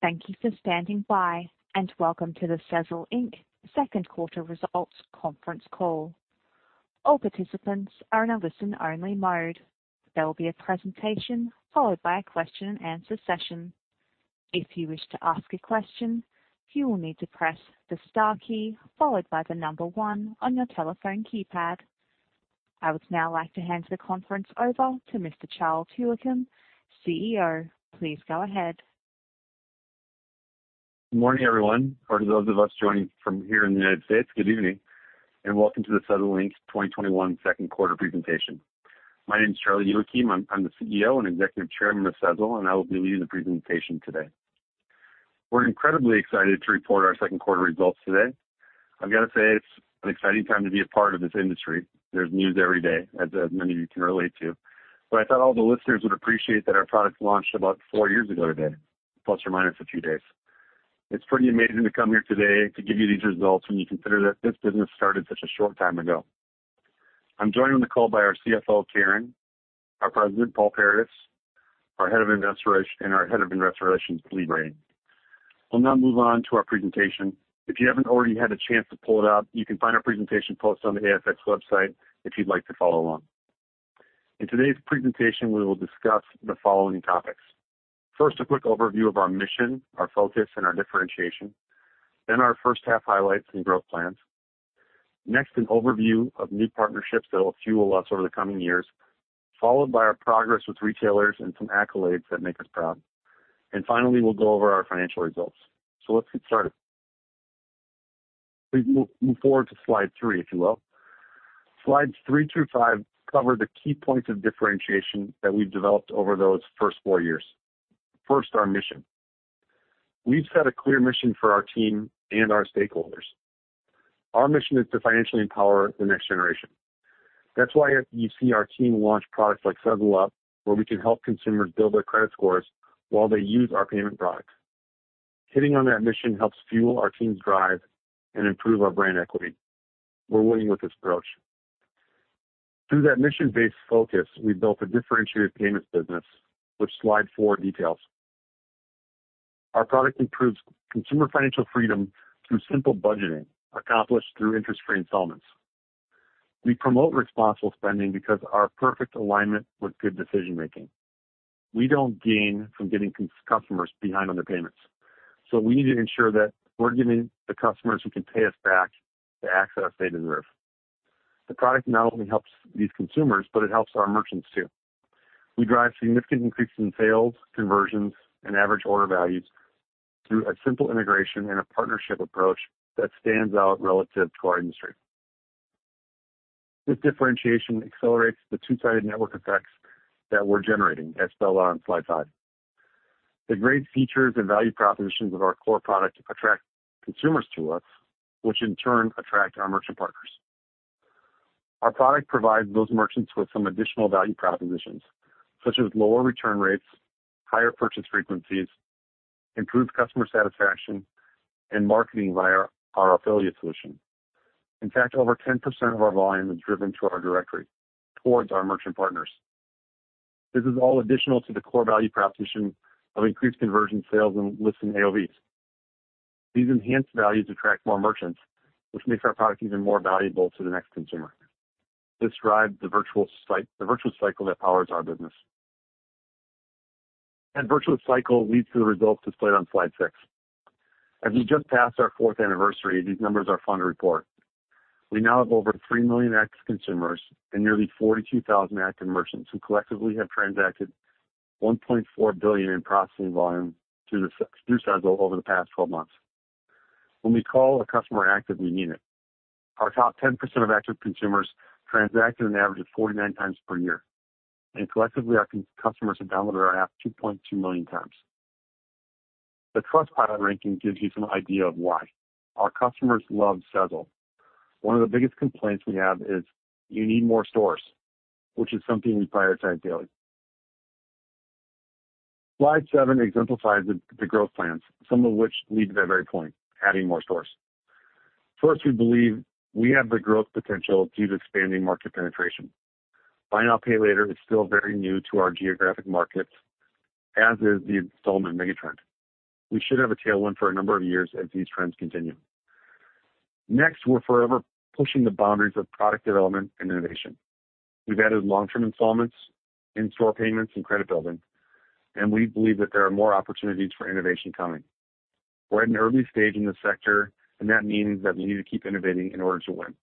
Thank you for standing by, and welcome to the Sezzle Inc. second quarter results conference call. All participants are in a listen-only mode. There will be a presentation followed by a question and answer session. If you wish to ask a question, you will need to press the star key followed by the number one on your telephone keypad. I would now like to hand the conference over to Mr. Charlie Youakim, CEO. Please go ahead. Good morning, everyone, or to those of us joining from here in the U.S., good evening, and welcome to the Sezzle Inc. 2021 second quarter presentation. My name's Charlie Youakim. I'm the CEO and Executive Chairman of Sezzle, and I will be leading the presentation today. We're incredibly excited to report our second quarter results today. I've got to say, it's an exciting time to be a part of this industry. There's news every day, as many of you can relate to. I thought all the listeners would appreciate that our product launched about four years ago today, plus or minus a few days. It's pretty amazing to come here today to give you these results when you consider that this business started such a short time ago. I'm joined on the call by our CFO, Karen, our President, Paul Paradis, and our Head of Investor Relations, Lee Brading. I'll now move on to our presentation. If you haven't already had a chance to pull it up, you can find our presentation posts on the ASX website if you'd like to follow along. In today's presentation, we will discuss the following topics. First, a quick overview of our mission, our focus, and our differentiation. Our first half highlights and growth plans. An overview of new partnerships that will fuel us over the coming years, followed by our progress with retailers and some accolades that make us proud. Finally, we'll go over our financial results. Let's get started. Please move forward to slide three, if you will. Slides three through five cover the key points of differentiation that we've developed over those first four years. First, our mission. We've set a clear mission for our team and our stakeholders. Our mission is to financially empower the next generation. That's why you see our team launch products like Sezzle Up, where we can help consumers build their credit scores while they use our payment products. Hitting on that mission helps fuel our team's drive and improve our brand equity. We're winning with this approach. Through that mission-based focus, we've built a differentiated payments business, which slide four details. Our product improves consumer financial freedom through simple budgeting, accomplished through interest-free installments. We promote responsible spending because our perfect alignment with good decision-making. We don't gain from getting customers behind on their payments. We need to ensure that we're giving the customers who can pay us back the access they deserve. The product not only helps these consumers, but it helps our merchants too. We drive significant increases in sales, conversions, and average order values through a simple integration and a partnership approach that stands out relative to our industry. This differentiation accelerates the two-sided network effects that we're generating, as spelled out on slide five. The great features and value propositions of our core product attract consumers to us, which in turn attract our merchant partners. Our product provides those merchants with some additional value propositions, such as lower return rates, higher purchase frequencies, improved customer satisfaction, and marketing via our affiliate solution. In fact, over 10% of our volume is driven to our directory towards our merchant partners. This is all additional to the core value proposition of increased conversion sales and listing AOVs. These enhanced values attract more merchants, which makes our product even more valuable to the next consumer. This drives the virtual cycle that powers our business. That virtuous cycle leads to the results displayed on slide six. As we just passed our fourth anniversary, these numbers are fun to report. We now have over 3 million active consumers and nearly 42,000 active merchants who collectively have transacted $1.4 billion in processing volume through Sezzle over the past 12 months. When we call a customer active, we mean it. Our top 10% of active consumers transact at an average of 49 times per year, and collectively, our customers have downloaded our app 2.2 million times. The Trustpilot ranking gives you some idea of why. Our customers love Sezzle. One of the biggest complaints we have is, "You need more stores," which is something we prioritize daily. Slide seven exemplifies the growth plans, some of which lead to that very point, adding more stores. First, we believe we have the growth potential due to expanding market penetration. Buy now, pay later is still very new to our geographic markets, as is the installment mega-trend. We should have a tailwind for a number of years as these trends continue. Next, we're forever pushing the boundaries of product development and innovation. We've added long-term installments, in-store payments, and credit building, and we believe that there are more opportunities for innovation coming. We're at an early stage in this sector, and that means that we need to keep innovating in order to win.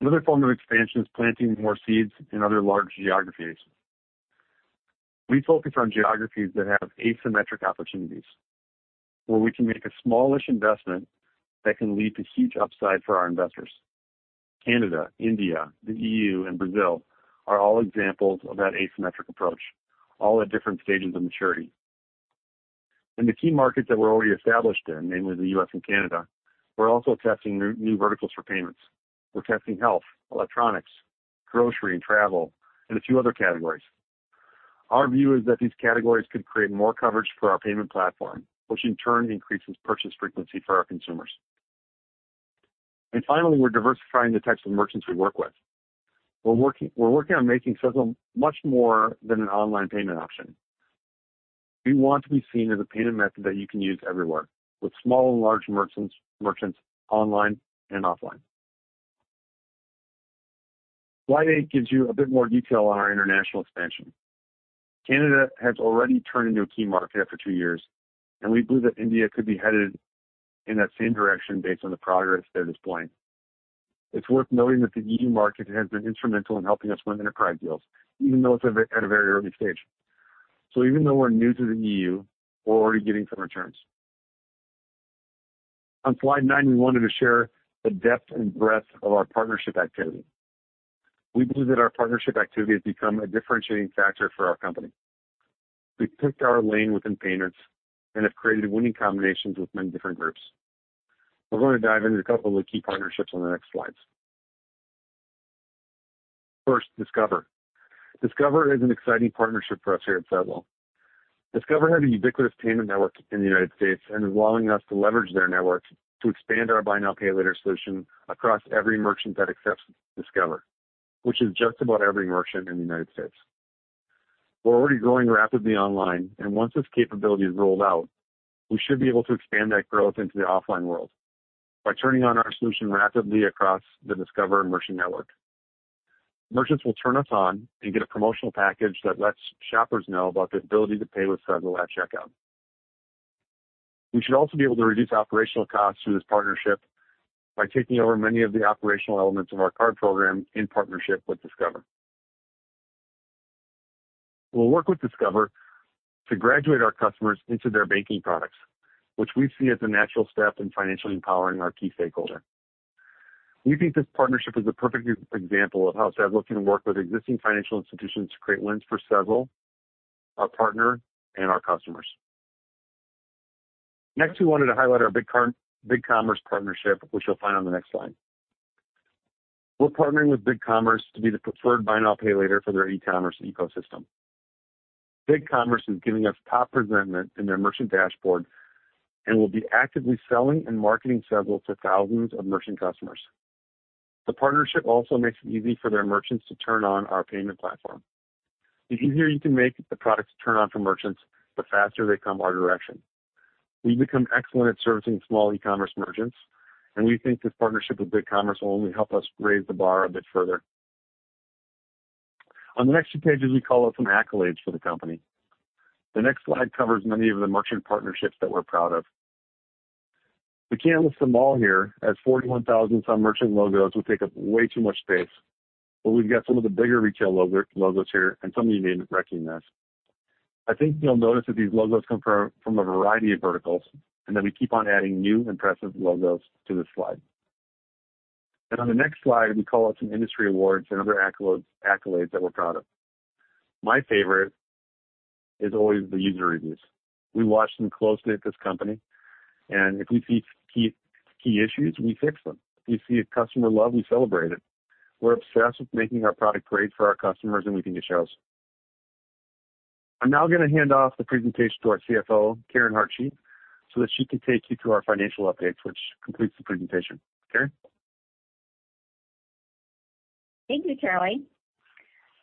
Another form of expansion is planting more seeds in other large geographies. We focus on geographies that have asymmetric opportunities, where we can make a smallish investment that can lead to huge upside for our investors. Canada, India, the EU, and Brazil are all examples of that asymmetric approach, all at different stages of maturity. In the key markets that we're already established in, namely the U.S. and Canada, we're also testing new verticals for payments. We're testing health, electronics, grocery, and travel, and a few other categories. Our view is that these categories could create more coverage for our payment platform, which in turn increases purchase frequency for our consumers. Finally, we're diversifying the types of merchants we work with. We're working on making Sezzle much more than an online payment option. We want to be seen as a payment method that you can use everywhere, with small and large merchants, online and offline. Slide eight gives you a bit more detail on our international expansion. Canada has already turned into a key market after two years, and we believe that India could be headed in that same direction based on the progress there to this point. It's worth noting that the EU market has been instrumental in helping us win enterprise deals, even though it's at a very early stage. Even though we're new to the EU, we're already getting some returns. On slide nine, we wanted to share the depth and breadth of our partnership activity. We believe that our partnership activity has become a differentiating factor for our company. We've picked our lane within payments and have created winning combinations with many different groups. We're going to dive into a couple of the key partnerships on the next slides. First, Discover. Discover is an exciting partnership for us here at Sezzle. Discover has a ubiquitous payment network in the United States and is allowing us to leverage their network to expand our buy now, pay later solution across every merchant that accepts Discover, which is just about every merchant in the United States. We're already growing rapidly online, and once this capability is rolled out, we should be able to expand that growth into the offline world by turning on our solution rapidly across the Discover merchant network. Merchants will turn us on and get a promotional package that lets shoppers know about the ability to pay with Sezzle at checkout. We should also be able to reduce operational costs through this partnership by taking over many of the operational elements of our card program in partnership with Discover. We'll work with Discover to graduate our customers into their banking products, which we see as a natural step in financially empowering our key stakeholder. We think this partnership is a perfect example of how Sezzle can work with existing financial institutions to create wins for Sezzle, our partner, and our customers. Next, we wanted to highlight our BigCommerce partnership, which you'll find on the next slide. We're partnering with BigCommerce to be the preferred buy now, pay later for their e-commerce ecosystem. BigCommerce is giving us top placement in their merchant dashboard and will be actively selling and marketing Sezzle to thousands of merchant customers. The partnership also makes it easy for their merchants to turn on our payment platform. The easier you can make the product to turn on for merchants, the faster they come our direction. We've become excellent at servicing small e-commerce merchants, and we think this partnership with BigCommerce will only help us raise the bar a bit further. On the next few pages, we call out some accolades for the company. The next slide covers many of the merchant partnerships that we're proud of. We can't list them all here, as 41,000-some merchant logos would take up way too much space, but we've got some of the bigger retail logos here, and some of you may recognize. I think you'll notice that these logos come from a variety of verticals and that we keep on adding new impressive logos to this slide. On the next slide, we call out some industry awards and other accolades that we're proud of. My favorite is always the user reviews. We watch them closely at this company, and if we see key issues, we fix them. If we see customer love, we celebrate it. We're obsessed with making our product great for our customers, and we think it shows. I'm now going to hand off the presentation to our CFO, Karen Hartje, so that she can take you through our financial updates, which completes the presentation. Karen? Thank you, Charlie.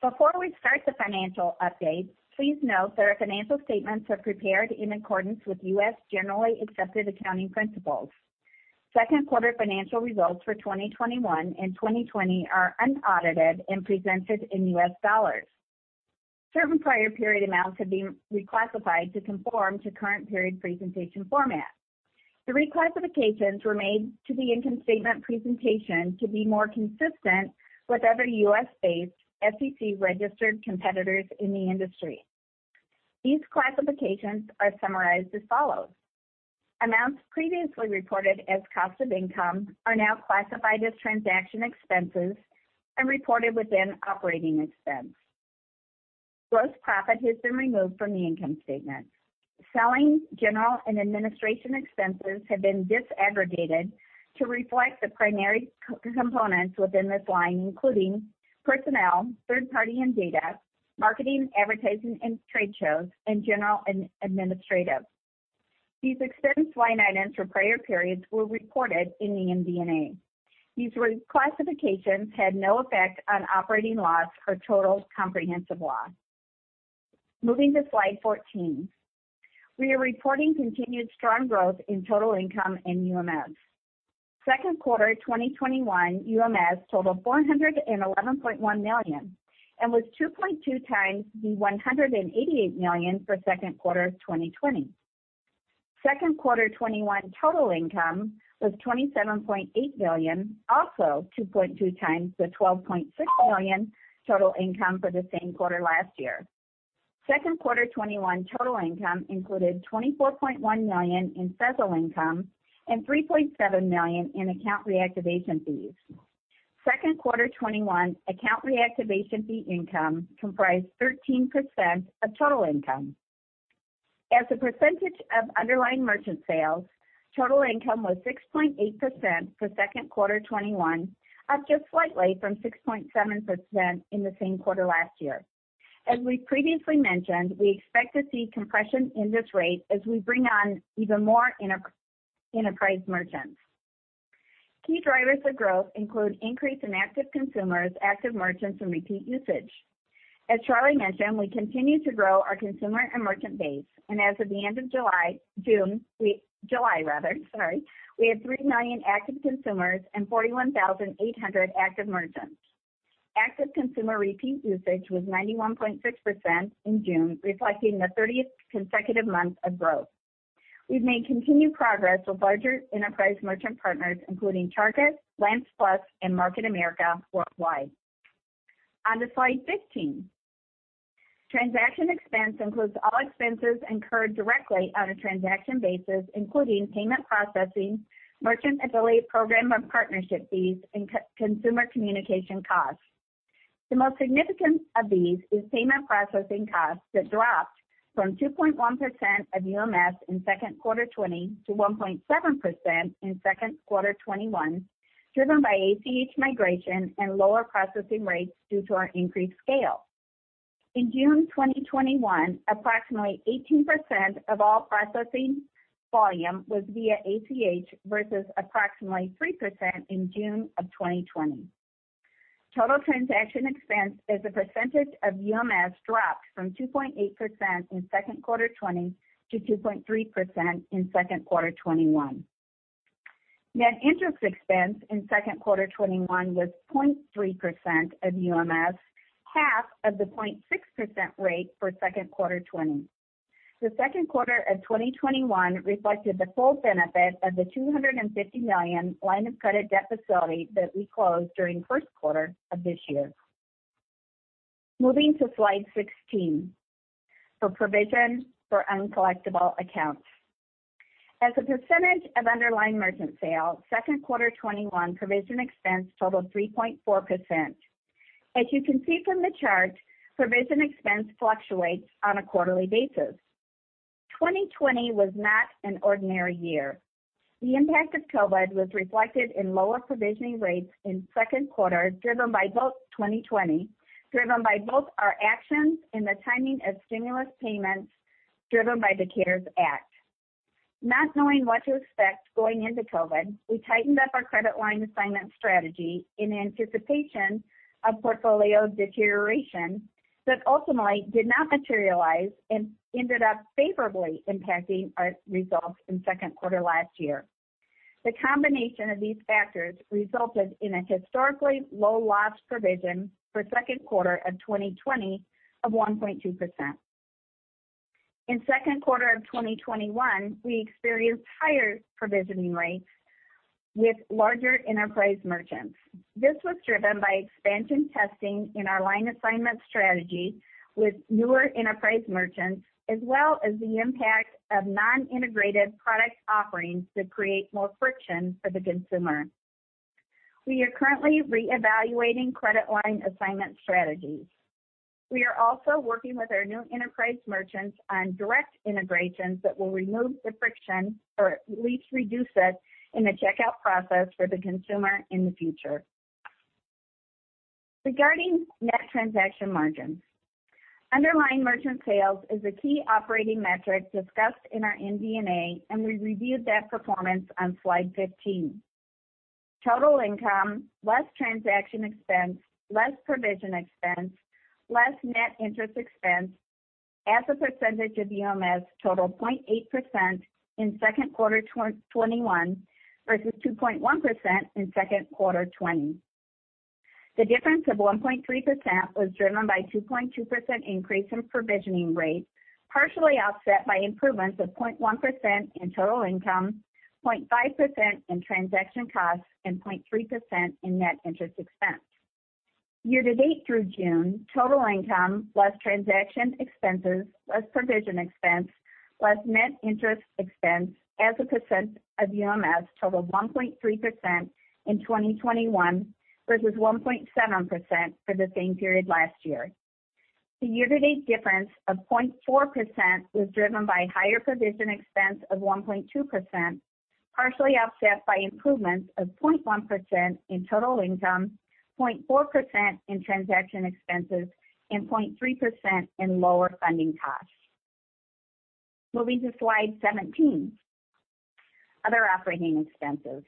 Before we start the financial update, please note that our financial statements are prepared in accordance with U.S. generally accepted accounting principles. Second quarter financial results for 2021 and 2020 are unaudited and presented in U.S. dollars. Certain prior period amounts have been reclassified to conform to current period presentation format. The reclassifications were made to the income statement presentation to be more consistent with other U.S. based SEC-registered competitors in the industry. These classifications are summarized as follows. Amounts previously reported as cost of income are now classified as transaction expenses and reported within operating expense. Gross profit has been removed from the income statement. Selling, general, and administration expenses have been disaggregated to reflect the primary components within this line, including personnel, third party and data, marketing, advertising and trade shows, and general and administrative. These expense line items for prior periods were reported in the MD&A. These reclassifications had no effect on operating loss or total comprehensive loss. Moving to slide 14. We are reporting continued strong growth in total income and UMS. Second quarter 2021 UMS totaled 411.1 million and was 2.2x the $188 million for second quarter 2020. Second quarter 2021 total income was $27.8 million, also 2.2x the $12.6 million total income for the same quarter last year. Second quarter 2021 total income included $24.1 million in Sezzle income and $3.7 million in account reactivation fees. Second quarter 2021 account reactivation fee income comprised 13% of total income. As a percentage of underlying merchant sales, total income was 6.8% for second quarter 2021, up just slightly from 6.7% in the same quarter last year. As we previously mentioned, we expect to see compression in this rate as we bring on even more enterprise merchants. Key drivers of growth include increase in active consumers, active merchants, and repeat usage. As Charlie mentioned, we continue to grow our consumer and merchant base. As of the end of July, we had 3 million active consumers and 41,800 active merchants. Active consumer repeat usage was 91.6% in June, reflecting the 30th consecutive month of growth. We've made continued progress with larger enterprise merchant partners, including Target, Lamps Plus, and Market America worldwide. On to slide 15. Transaction expense includes all expenses incurred directly on a transaction basis, including payment processing, merchant affiliate program or partnership fees, and consumer communication costs. The most significant of these is payment processing costs that dropped from 2.1% of UMS in second quarter 2020 to 1.7% in second quarter 2021, driven by ACH migration and lower processing rates due to our increased scale. In June 2021, approximately 18% of all processing volume was via ACH versus approximately 3% in June of 2020. Total transaction expense as a percentage of UMS dropped from 2.8% in second quarter 2020 to 2.3% in second quarter 2021. Net interest expense in second quarter 2021 was 0.3% of UMS, half of the 0.6% rate for second quarter 2020. The second quarter of 2021 reflected the full benefit of the $250 million line of credit debt facility that we closed during first quarter of this year. Moving to slide 16 for provision for uncollectible accounts. As a percentage of underlying merchant sales, second quarter 2021 provision expense totaled 3.4%. As you can see from the chart, provision expense fluctuates on a quarterly basis. 2020 was not an ordinary year. The impact of COVID was reflected in lower provisioning rates in second quarter, driven by both our actions and the timing of stimulus payments driven by the CARES Act. Not knowing what to expect going into COVID, we tightened up our credit line assignment strategy in anticipation of portfolio deterioration that ultimately did not materialize and ended up favorably impacting our results in second quarter last year. The combination of these factors resulted in a historically low loss provision for second quarter of 2020 of 1.2%. In second quarter of 2021, we experienced higher provisioning rates with larger enterprise merchants. This was driven by expansion testing in our line assignment strategy with newer enterprise merchants, as well as the impact of non-integrated product offerings that create more friction for the consumer. We are currently reevaluating credit line assignment strategies. We are also working with our new enterprise merchants on direct integrations that will remove the friction, or at least reduce it, in the checkout process for the consumer in the future. Regarding net transaction margins, underlying merchant sales is a key operating metric discussed in our MD&A, and we reviewed that performance on slide 15. Total income, less transaction expense, less provision expense, less net interest expense as a percentage of UMS totaled 0.8% in second quarter 2021 versus 2.1% in second quarter 2020. The difference of 1.3% was driven by 2.2% increase in provisioning rate, partially offset by improvements of 0.1% in total income, 0.5% in transaction costs, and 0.3% in net interest expense. Year-to-date through June, total income, less transaction expenses, less provision expense, less net interest expense as a percent of UMS totaled 1.3% in 2021 versus 1.7% for the same period last year. The year-to-date difference of 0.4% was driven by higher provision expense of 1.2%, partially offset by improvements of 0.1% in total income, 0.4% in transaction expenses, and 0.3% in lower funding costs. Moving to slide 17, other operating expenses.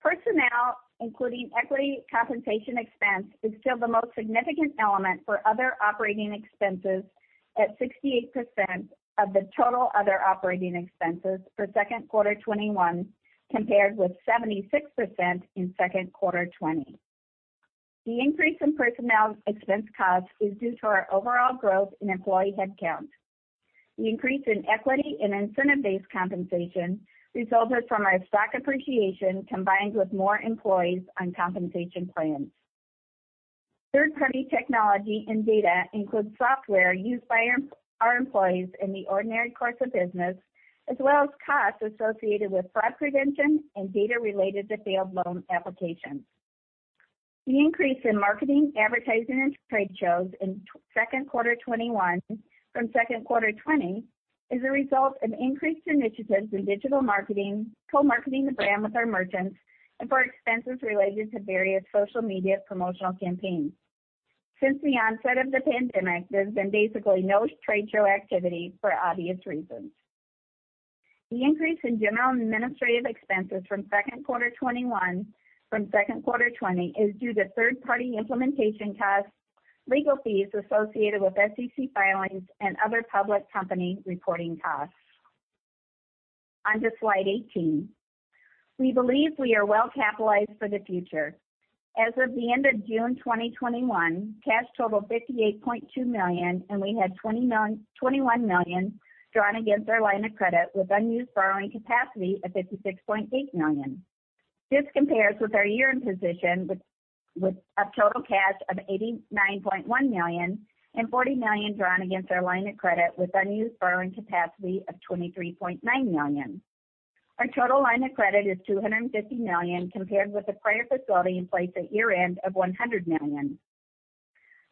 Personnel, including equity compensation expense, is still the most significant element for other operating expenses at 68% of the total other operating expenses for second quarter 2021, compared with 76% in second quarter 2020. The increase in personnel expense costs is due to our overall growth in employee headcount. The increase in equity and incentive-based compensation resulted from our stock appreciation combined with more employees on compensation plans. Third-party technology and data includes software used by our employees in the ordinary course of business, as well as costs associated with fraud prevention and data related to failed loan applications. The increase in marketing, advertising, and trade shows in second quarter 2021 from second quarter 2020 is a result of increased initiatives in digital marketing, co-marketing the brand with our merchants, and for expenses related to various social media promotional campaigns. Since the onset of the pandemic, there's been basically no trade show activity for obvious reasons. The increase in general and administrative expenses from second quarter 2021 from second quarter 2020 is due to third-party implementation costs, legal fees associated with SEC filings, and other public company reporting costs. On to slide 18. We believe we are well capitalized for the future. As of the end of June 2021, cash totaled $58.2 million, and we had $21 million drawn against our line of credit with unused borrowing capacity of $56.8 million. This compares with our year-end position with a total cash of $89.1 million and $40 million drawn against our line of credit with unused borrowing capacity of $23.9 million. Our total line of credit is $250 million, compared with the prior facility in place at year-end of $100 million.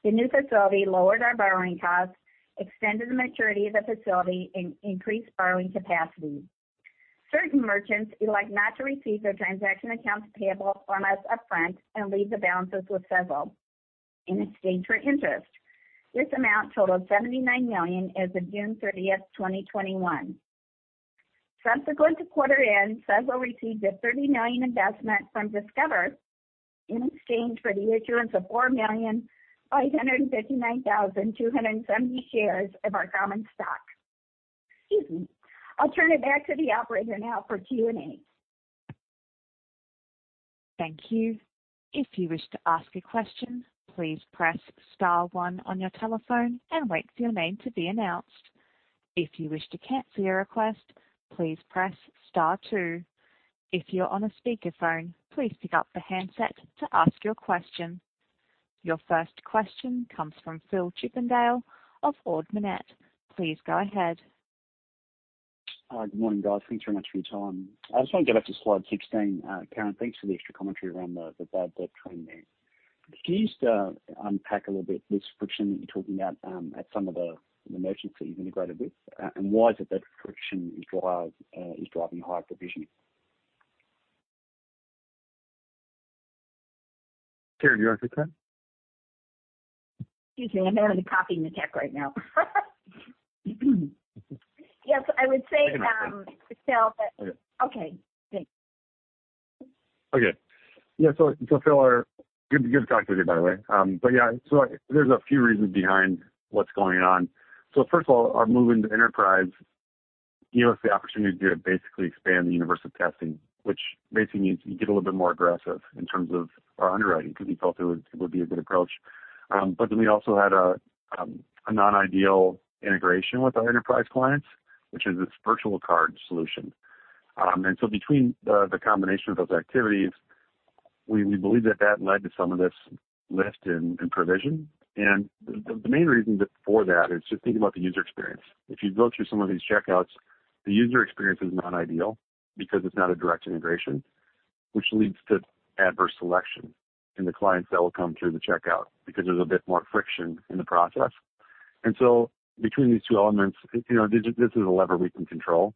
The new facility lowered our borrowing costs, extended the maturity of the facility, and increased borrowing capacity. Certain merchants elect not to receive their transaction accounts payable from us upfront and leave the balances with Sezzle in exchange for interest. This amount totaled $79 million as of June 30th, 2021. Subsequent to quarter end, Sezzle received a $30 million investment from Discover in exchange for the issuance of 4,559,270 shares of our common stock. Excuse me. I'll turn it back to the operator now for Q&A. Thank you. If you wish to ask a question, please press star one on your telephone and wait your name to be announced. If you wish to cancel your request please press star two. If your on the speaker phone, please pick up the handset to ask your question. Your first question comes from Phil Chippindale of Ord Minnett. Please go ahead. Good morning, guys. Thanks very much for your time. I just want to go back to slide 16. Karen, thanks for the extra commentary around the bad debt trending there. Could you just unpack a little bit this friction that you're talking about at some of the merchants that you've integrated with, and why is it that friction is driving higher provision? Karen, do you want to take that? Excuse me, I'm having a copy in the deck right now. Yes, I would say. Hang on. Phil, that Okay, thanks. Okay. Yeah. Phil, good to talk with you, by the way. Yeah, there's a few reasons behind what's going on. First of all, our move into enterprise gave us the opportunity to basically expand the universe of testing, which basically means we get a little bit more aggressive in terms of our underwriting because we felt it would be a good approach. Then we also had a non-ideal integration with our enterprise clients, which is this virtual card solution. Between the combination of those activities, we believe that that led to some of this lift in provision. The main reason for that is just think about the user experience. If you go through some of these checkouts, the user experience is not ideal because it's not a direct integration, which leads to adverse selection in the clients that will come through the checkout because there's a bit more friction in the process. Between these two elements, this is a lever we can control.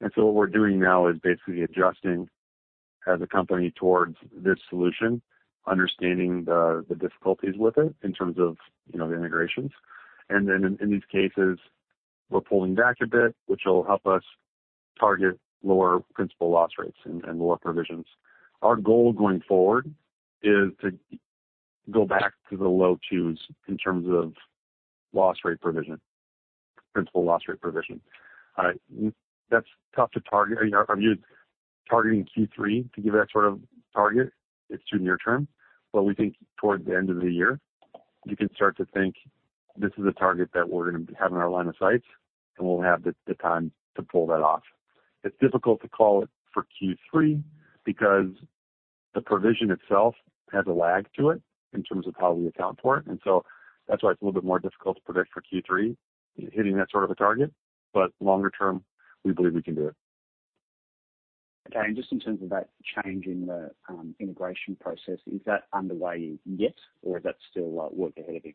What we're doing now is basically adjusting as a company towards this solution, understanding the difficulties with it in terms of the integrations. In these cases, we're pulling back a bit, which will help us target lower principal loss rates and lower provisions. Our goal going forward is to go back to the low 2s in terms of loss rate provision, principal loss rate provision. That's tough to target. I mean, targeting Q3 to give that sort of target, it's too near-term, but we think towards the end of the year, you can start to think this is a target that we're going to have in our line of sights, and we'll have the time to pull that off. It's difficult to call it for Q3 because the provision itself has a lag to it in terms of how we account for it, and so that's why it's a little bit more difficult to predict for Q3 hitting that sort of a target. Longer term, we believe we can do it. Okay. Just in terms of that change in the integration process, is that underway yet, or is that still work ahead of you?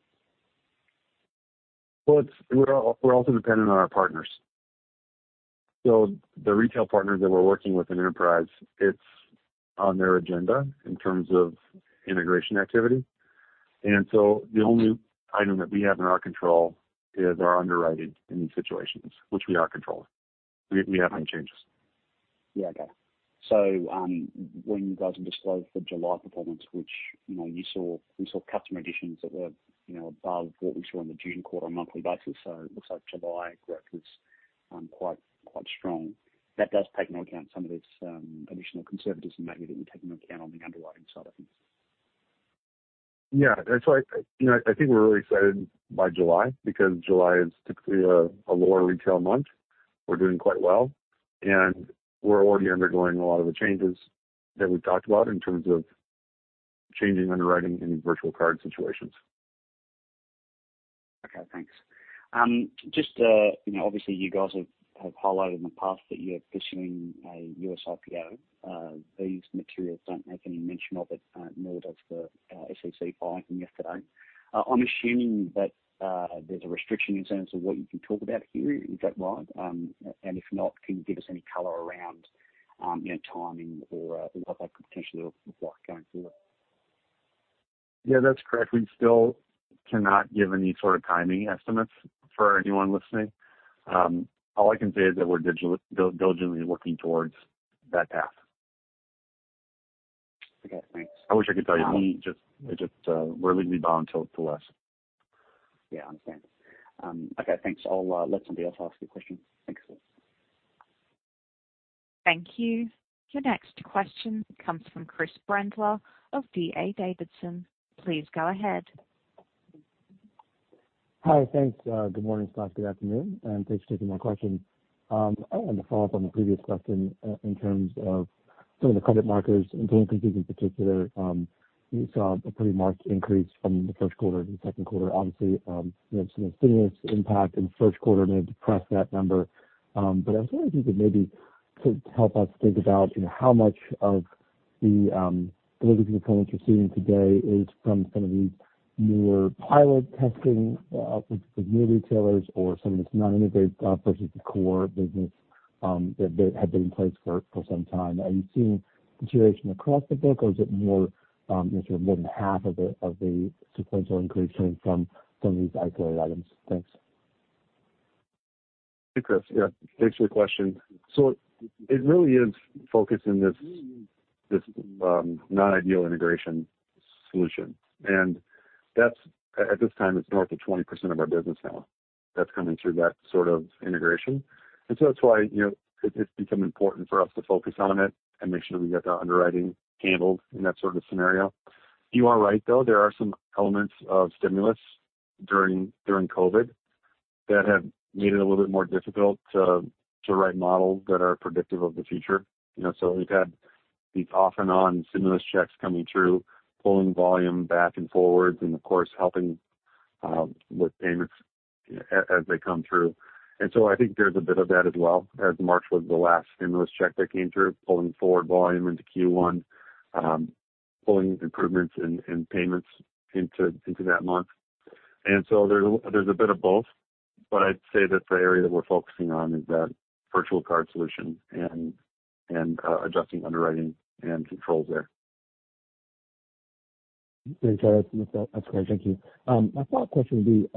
Well, we're also dependent on our partners. The retail partners that we're working with in enterprise, it's on their agenda in terms of integration activity. The only item that we have in our control is our underwriting in these situations, which we are controlling. We have made changes. Yeah. Okay. When you guys disclosed the July performance, which we saw customer additions that were above what we saw in the June quarter on a monthly basis. It looks like July growth was quite strong. That does take into account some of this additional conservatism that you're taking into account on the underwriting side of things. Yeah. That's why I think we're really excited by July because July is typically a lower retail month. We're doing quite well, and we're already undergoing a lot of the changes that we've talked about in terms of changing underwriting in these virtual card situations. Okay, thanks. Just obviously you guys have highlighted in the past that you're pursuing a U.S. IPO. These materials don't make any mention of it, nor does the SEC filing from yesterday. I'm assuming that there's a restriction in terms of what you can talk about here, is that right? If not, can you give us any color around timing or what that could potentially look like going forward? Yeah, that's correct. We still cannot give any sort of timing estimates for anyone listening. All I can say is that we're diligently working towards that path. Okay, thanks. I wish I could tell you more. It just, we're legally bound to less. Yeah, I understand. Okay, thanks. I'll let somebody else ask a question. Thanks. Thank you. Your next question comes from Chris Brendler of D.A. Davidson. Please go ahead. Hi. Thanks. Good morning, Charlie. Good afternoon, and thanks for taking my question. I wanted to follow up on the previous question in terms of some of the credit markers and loan completes in particular. We saw a pretty marked increase from the first quarter to the second quarter, obviously, some stimulus impact in the first quarter may have depressed that number. I was wondering if you could maybe sort of help us think about how much of the delivery components you're seeing today is from some of these newer pilot testing with new retailers or some of this non-integrated versus the core business that had been in place for some time. Are you seeing deterioration across the book or is it more than half of the sequential increase coming from some of these isolated items? Thanks. Hey, Chris. Yeah, thanks for your question. It really is focused in this non-ideal integration solution. At this time, it's north of 20% of our business now that's coming through that sort of integration. That's why it's become important for us to focus on it and make sure we get the underwriting handled in that sort of scenario. You are right, though. There are some elements of stimulus during COVID that have made it a little bit more difficult to write models that are predictive of the future. We've had these off and on stimulus checks coming through, pulling volume back and forwards and of course, helping with payments as they come through. I think there's a bit of that as well as March was the last stimulus check that came through, pulling forward volume with Q1, pulling improvements in payments into that month. There's a bit of both. I'd say that the area that we're focusing on is that virtual card solution and adjusting underwriting and controls there. Thanks, Charlie. That's great. Thank you. My follow-up question would be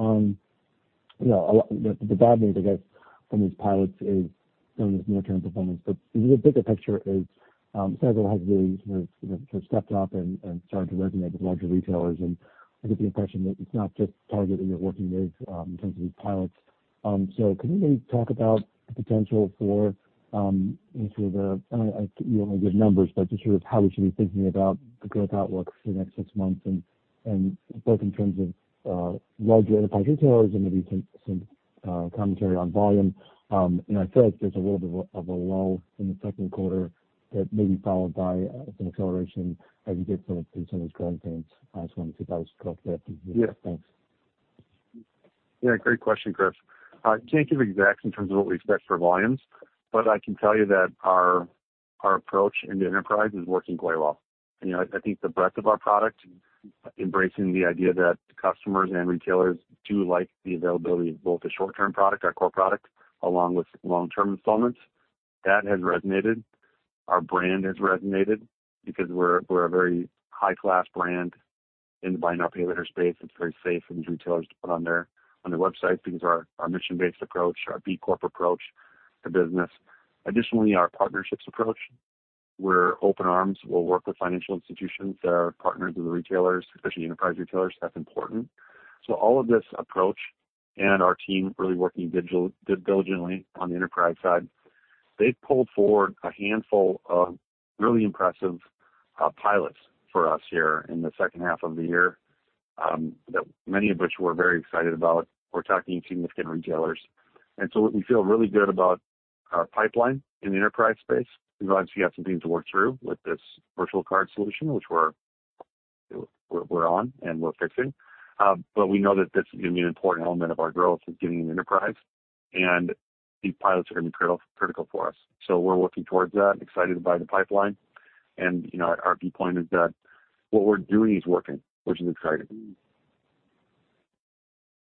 on the bad news, I guess, from these pilots is some of this near-term performance, but the bigger picture is Sezzle has really sort of stepped up and started to resonate with larger retailers, and I get the impression that it's not just targeting or working with in terms of these pilots. Can you maybe talk about the potential. I know you don't want to give numbers, but just sort of how we should be thinking about the growth outlook for the next six months and both in terms of larger enterprise retailers and maybe some commentary on volume. I feel like there's a little bit of a lull in the second quarter that may be followed by an acceleration as you get some of these growing pains. I just wanted to see if I was correct there. Yeah. Thanks. Yeah, great question, Chris. I can't give exacts in terms of what we expect for volumes, but I can tell you that our approach in the enterprise is working quite well. I think the breadth of our product, embracing the idea that customers and retailers do like the availability of both the short-term product, our core product, along with long-term installments, that has resonated. Our brand has resonated because we're a very high-class brand in the buy now, pay later space. It's very safe for these retailers to put on their website because our mission-based approach, our B Corp approach to business. Our partnerships approach, we're open arms. We'll work with financial institutions that are partners with the retailers, especially enterprise retailers. That's important. All of this approach and our team really working diligently on the enterprise side, they've pulled forward a handful of really impressive pilots for us here in the second half of the year that many of which we're very excited about. We're talking to significant retailers. We feel really good about our pipeline in the enterprise space. Obviously, you have some things to work through with this virtual card solution, which we're on and we're fixing. We know that this is going to be an important element of our growth is getting into enterprise, and these pilots are going to be critical for us. We're working towards that, excited by the pipeline. Our viewpoint is that what we're doing is working, which is exciting.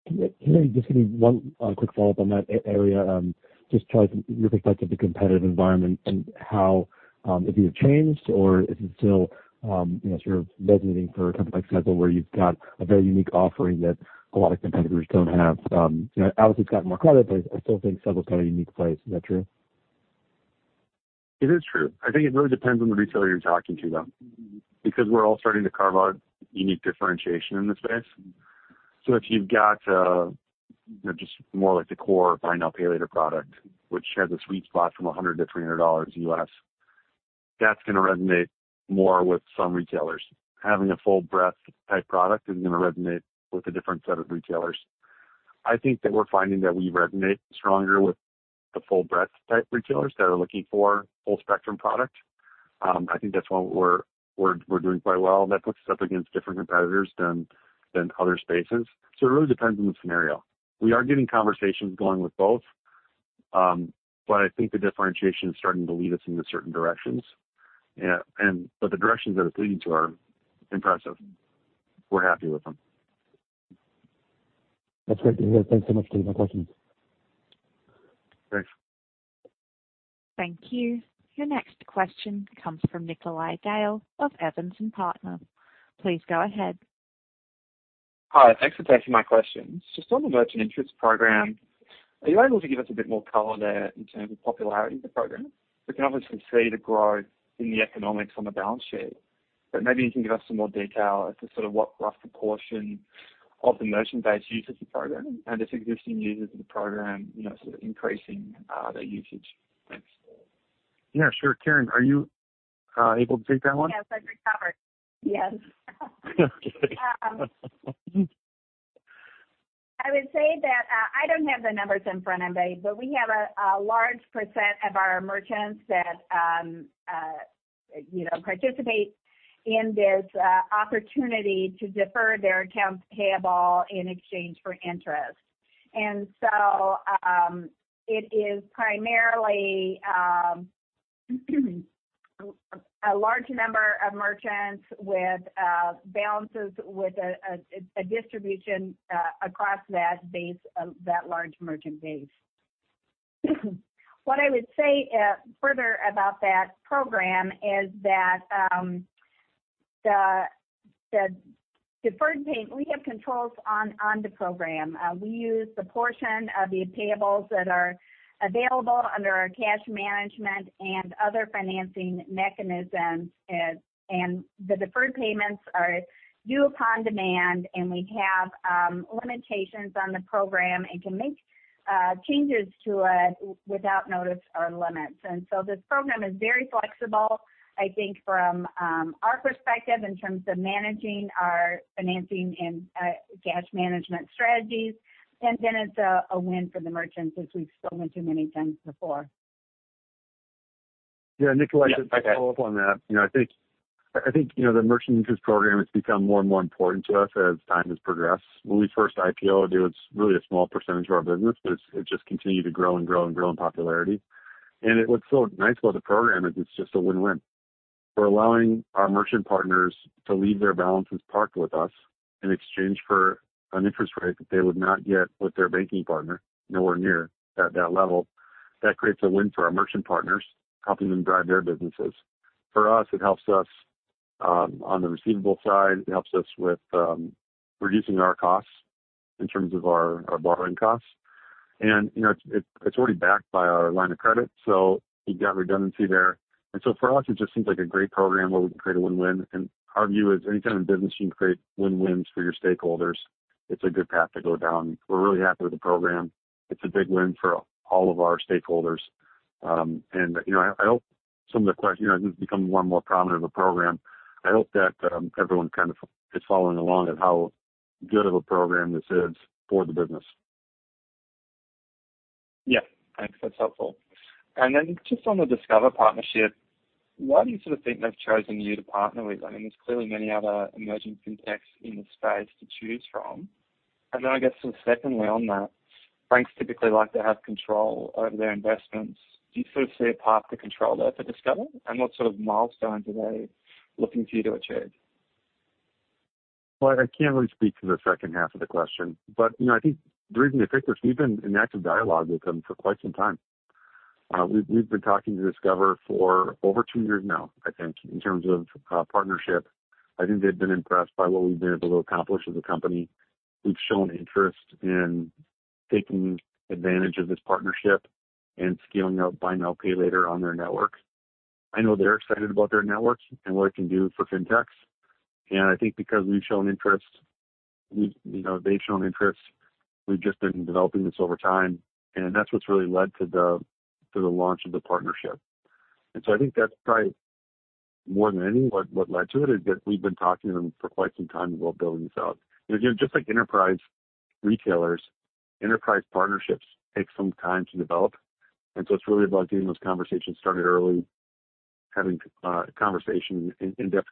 Can I just give you one quick follow-up on that area? Just try your perspective, the competitive environment and how if you've changed or is it still sort of resonating for a company like Sezzle where you've got a very unique offering that a lot of competitors don't have? Obviously, it's gotten more credit, but I still think Sezzle's got a unique place. Is that true? It is true. I think it really depends on the retailer you're talking to, though. We're all starting to carve out unique differentiation in the space. If you've got just more like the core buy now, pay later product, which has a sweet spot from $100-$300, that's going to resonate more with some retailers. Having a full breadth type product is going to resonate with a different set of retailers. I think that we're finding that we resonate stronger with the full breadth type retailers that are looking for full spectrum product. I think that's why we're doing quite well. That puts us up against different competitors than other spaces. It really depends on the scenario. We are getting conversations going with both, but I think the differentiation is starting to lead us into certain directions. The directions that it's leading to are impressive. We're happy with them. That's great to hear. Thanks so much for taking my questions. Thanks. Thank you. Your next question comes from Nikolai Dale of Evans and Partners. Please go ahead. Hi. Thanks for taking my questions. Just on the merchant interest program, are you able to give us a bit more color there in terms of popularity of the program? We can obviously see the growth in the economics on the balance sheet, maybe you can give us some more detail as to sort of what rough proportion of the merchant base uses the program and if existing users of the program sort of increasing their usage. Thanks. Yeah, sure. Karen, are you able to take that one? Yes, I've recovered. Yes. Okay. I would say that I don't have the numbers in front of me, but we have a large percent of our merchants that participate in this opportunity to defer their accounts payable in exchange for interest. It is primarily a large number of merchants with balances with a distribution across that base of that large merchant base. What I would say further about that program is that the deferred payment, we have controls on the program. We use the portion of the payables that are available under our cash management and other financing mechanisms, and the deferred payments are due upon demand, and we have limitations on the program and can make changes to it without notice or limits. The program is very flexible, I think from our perspective, in terms of managing our financing and cash management strategies. It's a win for the merchants, as we've spoken to many times before. Yeah, Nikolai, just to follow up on that. I think the merchant interest program has become more and more important to us as time has progressed. When we first IPO'd, it was really a small percentage of our business, but it's just continued to grow and grow and grow in popularity. What's so nice about the program is it's just a win-win. We're allowing our merchant partners to leave their balances parked with us in exchange for an interest rate that they would not get with their banking partner, nowhere near at that level. That creates a win for our merchant partners, helping them drive their businesses. For us, it helps us on the receivable side. It helps us with reducing our costs in terms of our borrowing costs. It's already backed by our line of credit, so we've got redundancy there. For us, it just seems like a great program where we can create a win-win. Our view is anytime a business can create win-wins for your stakeholders, it's a good path to go down. We're really happy with the program. It's a big win for all of our stakeholders. As it's become more and more prominent of a program, I hope that everyone kind of is following along at how good of a program this is for the business. Yeah. Thanks. That's helpful. Then just on the Discover partnership, why do you sort of think they've chosen you to partner with? I mean, there's clearly many other emerging fintechs in the space to choose from. Then I guess sort of secondly on that, banks typically like to have control over their investments. Do you sort of see a path to control there for Discover? What sort of milestones are they looking for you to achieve? Well, I can't really speak to the second half of the question, but I think the reason they picked us, we've been in active dialogue with them for quite some time. We've been talking to Discover for over two years now, I think, in terms of partnership. I think they've been impressed by what we've been able to accomplish as a company. We've shown interest in taking advantage of this partnership and scaling up buy now, pay later on their network. I know they're excited about their networks and what it can do for fintechs. I think because we've shown interest, they've shown interest, we've just been developing this over time, and that's what's really led to the launch of the partnership. I think that's probably more than any, what led to it, is that we've been talking to them for quite some time about building this out. Again, just like enterprise retailers, enterprise partnerships take some time to develop, and so it's really about getting those conversations started early, having in-depth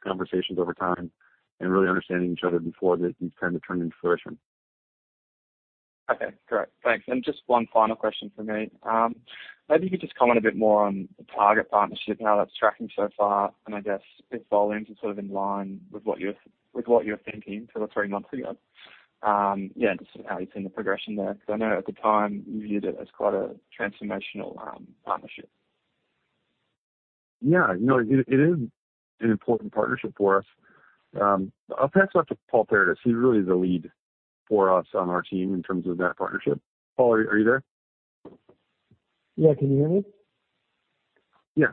conversations over time, and really understanding each other before these kind of turn into fruition. Okay, great. Thanks. Just one final question from me. Maybe you could just comment a bit more on the Target partnership and how that's tracking so far, and I guess if volumes are sort of in line with what you were thinking two or three months ago. Yeah, just how you're seeing the progression there. I know at the time you viewed it as quite a transformational partnership. Yeah. No, it is an important partnership for us. I will pass that to Paul Paradis. He really is the lead for us on our team in terms of that partnership. Paul, are you there? Yeah. Can you hear me? Yeah.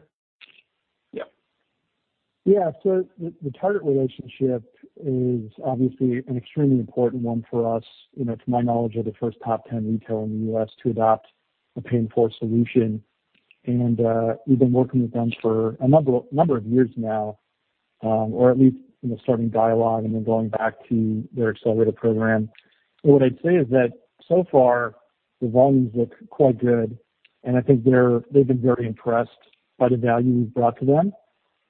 Yeah. The Target relationship is obviously an extremely important one for us. To my knowledge, they're the first top 10 retailer in the U.S. to adopt a pay-in-four solution. We've been working with them for a number of years now. At least starting dialogue and then going back to their accelerator program. What I'd say is that so far the volumes look quite good, and I think they've been very impressed by the value we've brought to them.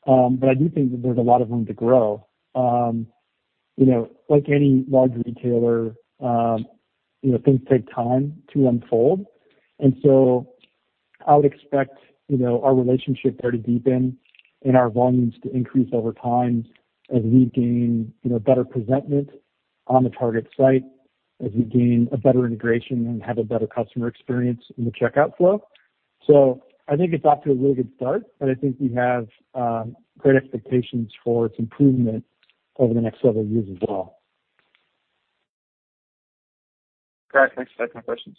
I do think that there's a lot of room to grow. Like any large retailer, things take time to unfold. I would expect our relationship there to deepen and our volumes to increase over time as we gain better presentment on the Target site, as we gain a better integration and have a better customer experience in the checkout flow. I think it's off to a really good start, and I think we have great expectations for its improvement over the next several years as well. Great. Thanks for that. No more questions.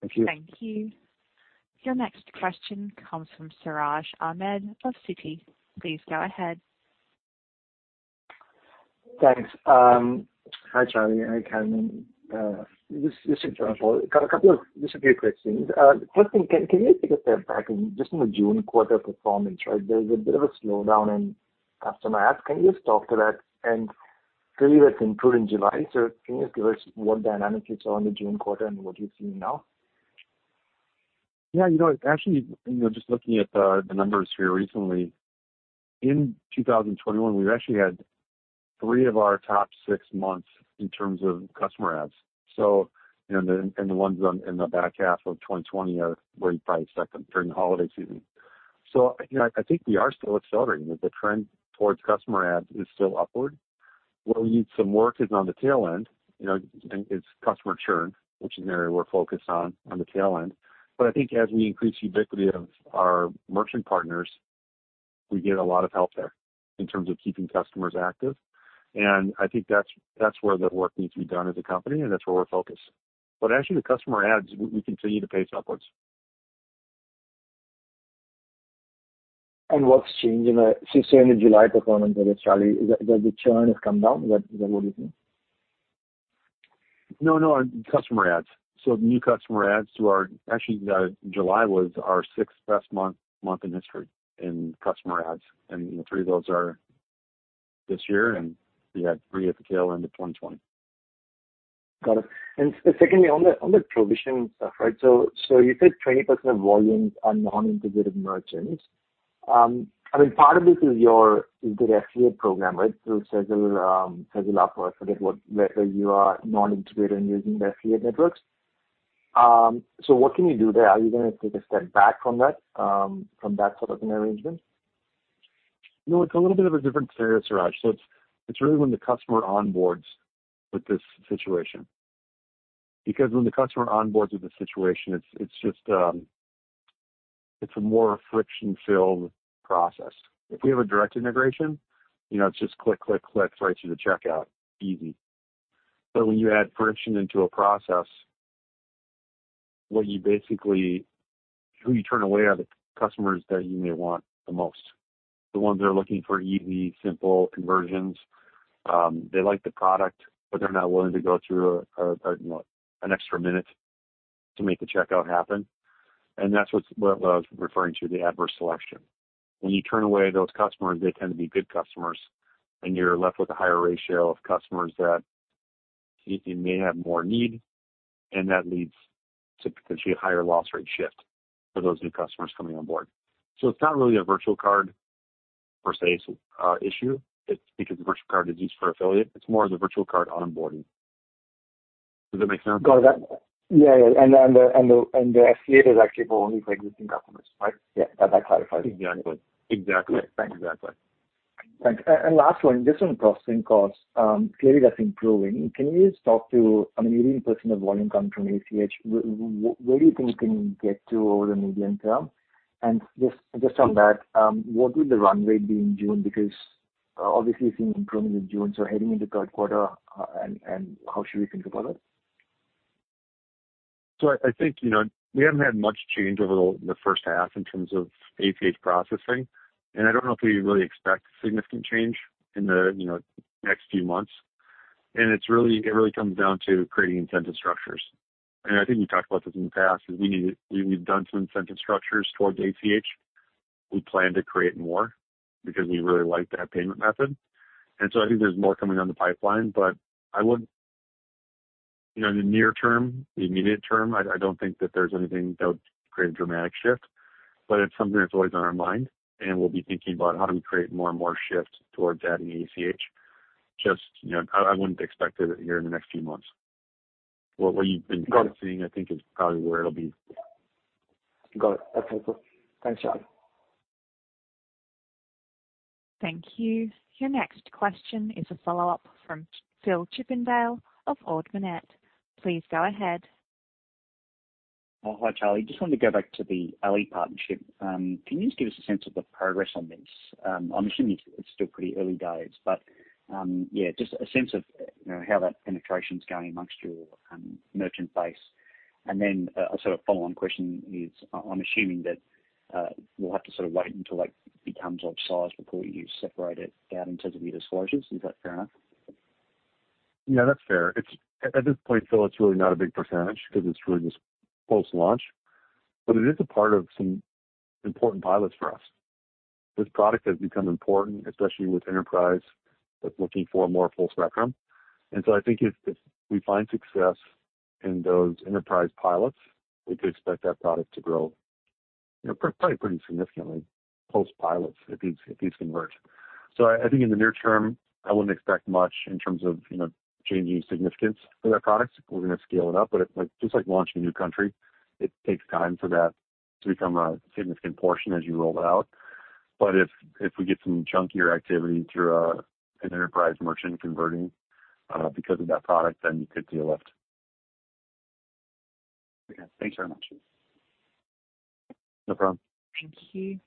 Thank you. Thank you. Your next question comes from Siraj Ahmed of Citi. Please go ahead. Thanks. Hi, Charlie. Hi, Karen. Just a couple, got a couple of just three questions. First thing, can you take a step back and just on the June quarter performance, right? There was a bit of a slowdown in customer adds. Can you just talk to that? Clearly that's improved in July, so can you just give us what dynamics you saw in the June quarter and what you're seeing now? Yeah. Actually, just looking at the numbers here recently, in 2021, we actually had three of our top six months in terms of customer adds. The ones in the back half of 2020 are probably second during the holiday season. I think we are still accelerating. The trend towards customer adds is still upward. Where we need some work is on the tail end, is customer churn, which is an area we're focused on the tail end. I think as we increase ubiquity of our merchant partners, we get a lot of help there in terms of keeping customers active. I think that's where the work needs to be done as a company, and that's where we're focused. Actually, the customer adds, we continue to pace upwards. What's changed? Since you're in the July performance, Charlie, does the churn has come down? Is that what you're saying? No, on customer adds. Actually, July was our sixth-best month in history in customer adds, and three of those are this year, and we had three at the tail end of 2020. Got it. Secondly, on the provisioning stuff, you said 20% of volumes are non-integrated merchants. I mean, part of this is your good affiliate program right, through Sezzle Opera. I forget whether you are non-integrated and using the SBA networks. What can you do there? Are you going to take a step back from that sort of an arrangement? It's a little bit of a different scenario, Siraj. It's really when the customer onboards with this situation. When the customer onboards with the situation, it's a more friction-filled process. If we have a direct integration, it's just click, click right through the checkout. Easy. When you add friction into a process, who you turn away are the customers that you may want the most, the ones that are looking for easy, simple conversions. They like the product, they're not willing to go through an extra minute to make the checkout happen. That's what I was referring to, the adverse selection. When you turn away those customers, they tend to be good customers, and you're left with a higher ratio of customers that you may have more need, and that leads to potentially a higher loss rate shift for those new customers coming on board. It's not really a virtual card per se issue. It's because the virtual card is used for affiliate. It's more of the virtual card onboarding. Does that make sense? Got it. Yeah. The SBA is actually only for existing customers, right? Yeah. That clarifies it. Exactly. Good. Thanks. Exactly. Thanks. Last one, just on processing costs. Clearly that's improving. Can you just talk to, I mean 18% of volume come from ACH. Where do you think you can get to over the medium term? Just on that, what would the run rate be in June? Because obviously you've seen improvement in June, so heading into third quarter, and how should we think about it? I think we haven't had much change over the first half in terms of ACH processing, and I don't know if we really expect significant change in the next few months. It really comes down to creating incentive structures. I think we talked about this in the past, is we've done some incentive structures towards ACH. We plan to create more because we really like that payment method. I think there's more coming down the pipeline, but in the near term, the immediate term, I don't think that there's anything that would create a dramatic shift. It's something that's always on our mind, and we'll be thinking about how do we create more and more shift towards adding ACH. Just I wouldn't expect it here in the next few months. What you've been seeing, I think, is probably where it'll be. Got it. Okay, cool. Thanks, Charlie. Thank you. Your next question is a follow-up from Phil Chippindale of Ord Minnett. Please go ahead. Hi, Charlie. Just wanted to go back to the Ally partnership. Can you just give us a sense of the progress on this? I'm assuming it's still pretty early days. Yeah, just a sense of how that penetration's going amongst your merchant base. A sort of follow-on question is, I'm assuming that we'll have to sort of wait until it becomes of size before you separate it out in terms of either disclosures. Is that fair enough? Yeah, that's fair. At this point, Phil, it's really not a big % because it's really just post-launch, but it is a part of some important pilots for us. This product has become important, especially with enterprise that's looking for more full spectrum. I think if we find success in those enterprise pilots, we could expect that product to grow probably pretty significantly post-pilots if these convert. I think in the near term, I wouldn't expect much in terms of changing significance for that product. We're going to scale it up, but just like launching a new country, it takes time for that to become a significant portion as you roll it out. If we get some chunkier activity through an enterprise merchant converting because of that product, then you could see a lift. Okay. Thanks very much. No problem. Thank you.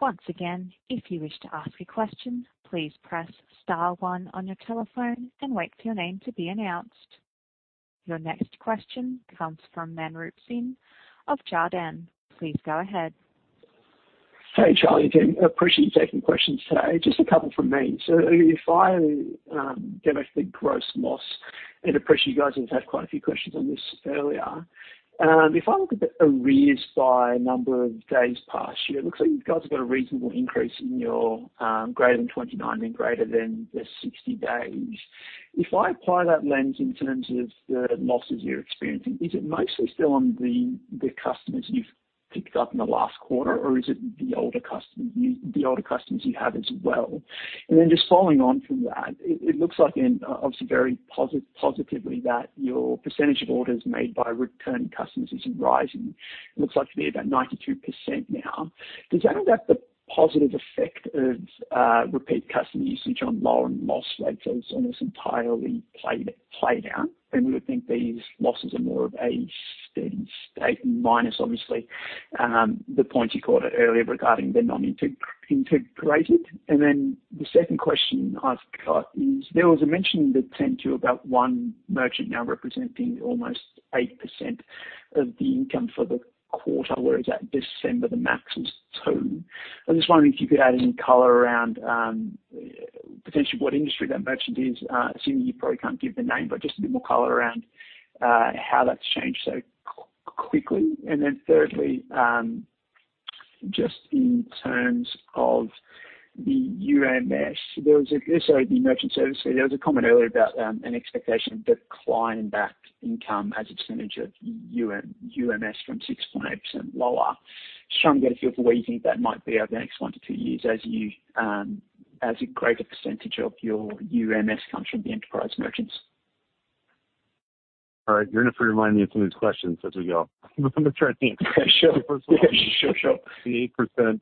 Once again, if you wish to ask a question, please press star one on your telephone and wait for your name to be announced. Your next question comes from Manroop Singh of Jarden. Please go ahead. Hey, Charlie and team. Appreciate you taking the questions today. Just a couple from me. If I demo the gross loss, and I appreciate you guys have had quite a few questions on this earlier. If I look at the arrears by number of days past due, it looks like you guys have got a reasonable increase in your greater than 29 and greater than the 60 days. If I apply that lens in terms of the losses you're experiencing, is it mostly still on the customers you've picked up in the last quarter, or is it the older customers you have as well? Just following on from that, it looks like obviously very positively that your percentage of orders made by returning customers is rising. It looks like to be about 92% now. Does that have that positive effect of repeat customer usage on lowering loss rates as almost entirely play down? We would think these losses are more of a steady state minus, obviously, the points you called it earlier regarding they're not integrated. The second question I've got is, there was a mention that turned to about one merchant now representing almost 8% of the income for the quarter, whereas at December, the max was two. I was just wondering if you could add any color around potentially what industry that merchant is. Assuming you probably can't give the name, but just a bit more color around how that's changed so quickly. Thirdly, just in terms of the UMS. The merchant services, there was a comment earlier about an expectation of decline in that income as a percentage of UMS from 6.8% lower. Just trying to get a feel for where you think that might be over the next one to two years as a greater percentage of your UMS comes from the enterprise merchants. All right. You're going to have to remind me of some of these questions as we go. I'm going to try and think. Sure. First of all, the 8%,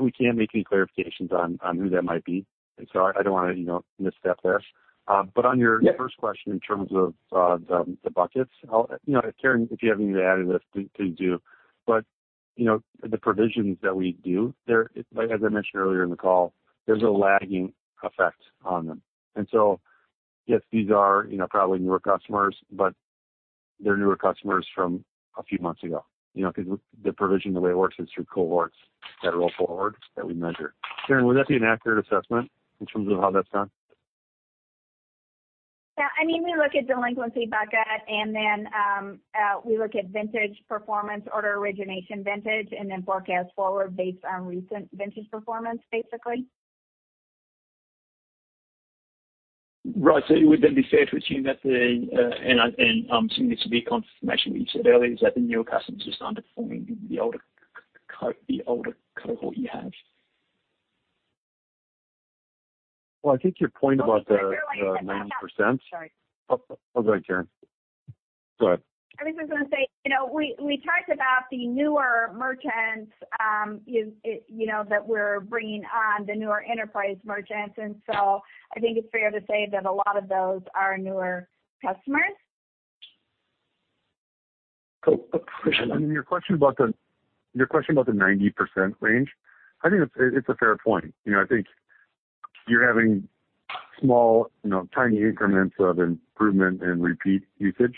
we can't make any clarifications on who that might be. I don't want to misstep there. On your first question in terms of the buckets. Karen, if you have anything to add to this, please do. The provisions that we do, as I mentioned earlier in the call, there's a lagging effect on them. Yes, these are probably newer customers, but they're newer customers from a few months ago. The provision, the way it works is through cohorts that roll forward that we measure. Karen, would that be an accurate assessment in terms of how that's done? Yeah. We look at delinquency bucket, and then we look at vintage performance, order origination vintage, and then forecast forward based on recent vintage performance, basically. Right. It would then be fair to assume that and I'm assuming this will be confirmation what you said earlier, is that the newer customers just underperforming the older cohort you have. Well, I think your point about the 90%- Sorry. Oh, go ahead, Karen. Go ahead. I was just going to say, we talked about the newer merchants that we're bringing on the newer enterprise merchants. I think it's fair to say that a lot of those are newer customers. Your question about the 90% range, I think it's a fair point. I think you're having small tiny increments of improvement in repeat usage.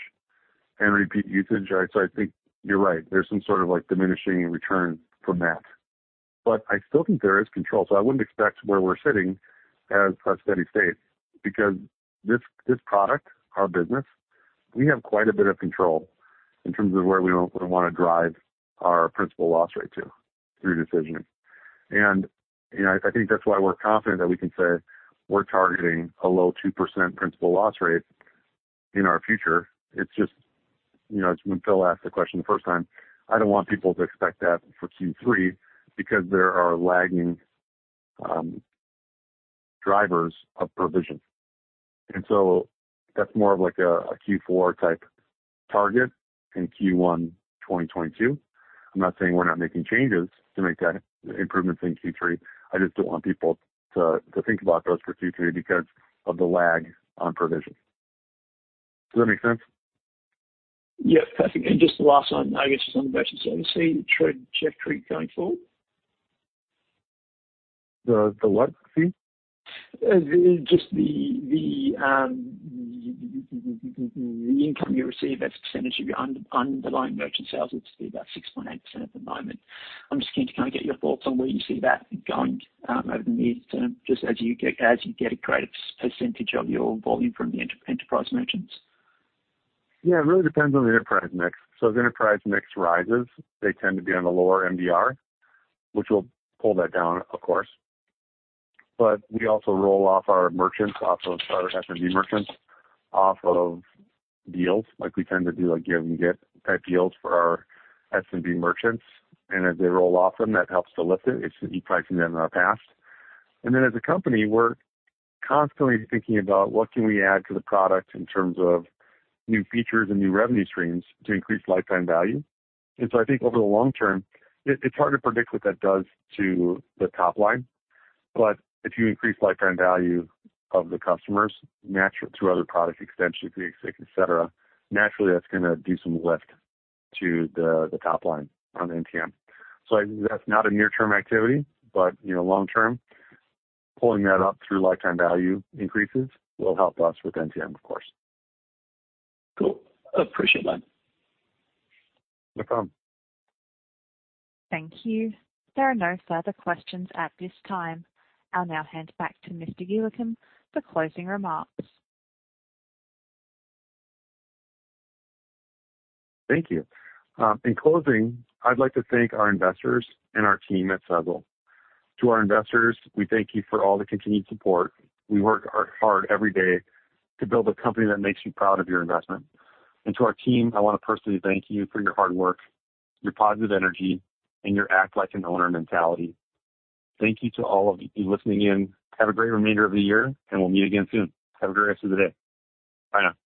I think you're right. There's some sort of diminishing return from that. I still think there is control. I wouldn't expect where we're sitting as a steady state because this product, our business, we have quite a bit of control in terms of where we want to drive our principal loss rate to through decisioning. I think that's why we're confident that we can say we're targeting a low 2% principal loss rate in our future. It's just, when Phil asked the question the first time, I don't want people to expect that for Q3 because there are lagging drivers of provision. That's more of like a Q4 type target in Q1 2022. I'm not saying we're not making changes to make that improvements in Q3. I just don't want people to think about those for Q3 because of the lag on provision. Does that make sense? Yeah. Perfect. Just the last one, I guess, on merchant services, the trajectory going forward. The what, excuse me? Just the income you receive as a percentage of your underlying merchant sales, which would be about 6.8% at the moment. I'm just keen to kind of get your thoughts on where you see that going over the near term, just as you get a greater percentage of your volume from the enterprise merchants. Yeah, it really depends on the enterprise mix. As enterprise mix rises, they tend to be on the lower MDR, which will pull that down, of course. We also roll off our merchants off of our SMB merchants off of deals. We tend to do give and get type deals for our SMB merchants, and as they roll off them, that helps to lift it. It's pricing them in our past. As a company, we're constantly thinking about what can we add to the product in terms of new features and new revenue streams to increase lifetime value. I think over the long term, it's hard to predict what that does to the top line. If you increase lifetime value of the customers through other product extensions, et cetera, naturally, that's going to do some lift to the top line on NTM. I think that's not a near-term activity, but long term, pulling that up through lifetime value increases will help us with NTM, of course. Cool. Appreciate that. No problem. Thank you. There are no further questions at this time. I'll now hand back to Mr. Youakim for closing remarks. Thank you. In closing, I'd like to thank our investors and our team at Sezzle. To our investors, we thank you for all the continued support. We work hard every day to build a company that makes you proud of your investment. To our team, I want to personally thank you for your hard work, your positive energy, and your act like an owner mentality. Thank you to all of you listening in. Have a great remainder of the year, and we'll meet again soon. Have a great rest of the day. Bye now.